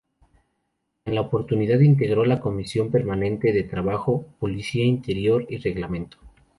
En la oportunidad integró la Comisión permanente de Trabajo, Policía Interior y Reglamento.